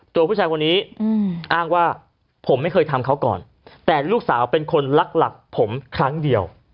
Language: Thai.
ตัวผู้ชายคนนี้อ้างว่าผมไม่เคยทำเขาก่อนแต่ลูกสาวเป็นคนรักหลักผมครั้งเดียว